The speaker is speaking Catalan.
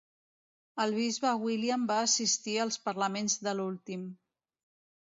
El bisbe William va assistir als parlaments de l'últim.